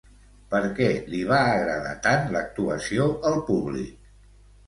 Per què li va agradar tant l'actuació al públic?